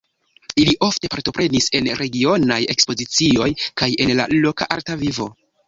Ili ofte partoprenis en regionaj ekspozicioj kaj en la loka arta vivo.